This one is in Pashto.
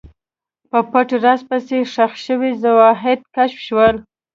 په پټ راز پسې، ښخ شوي شواهد کشف شول.